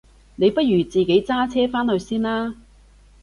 你不如自己揸車返去先啦？